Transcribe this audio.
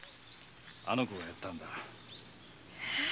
あの子がやったんだ。